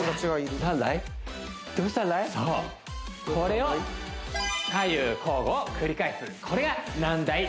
そうこれを左右交互繰り返すこれが何だい？